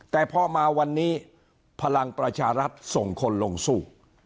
แต่พอมาวันนี้พลังประชารัฐส่งคนลงสู้